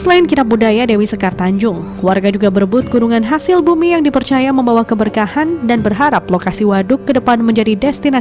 selain kitab budaya dewi sekar tanjung warga juga berebut gunungan hasil bumi yang dipercaya membawa keberkahan dan berharap lokasi waduk ke depan menjadi destinasi